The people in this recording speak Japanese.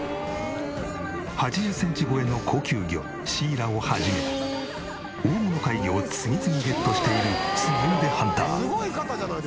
８０センチ超えの高級魚シイラを始め大物怪魚を次々ゲットしているスゴ腕ハンター。